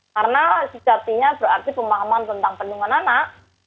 karena sejatinya berarti pemahaman tentang penyelenggaraan anak